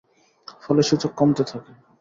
ফলে সূচক কমতে থাকে।